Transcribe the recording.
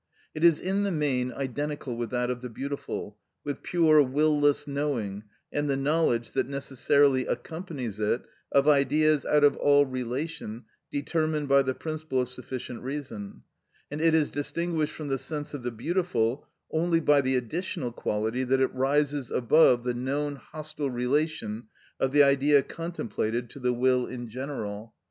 It is in the main identical with that of the beautiful, with pure will less knowing, and the knowledge, that necessarily accompanies it of Ideas out of all relation determined by the principle of sufficient reason, and it is distinguished from the sense of the beautiful only by the additional quality that it rises above the known hostile relation of the object contemplated to the will in general.